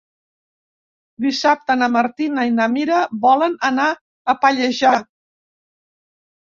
Dissabte na Martina i na Mira volen anar a Pallejà.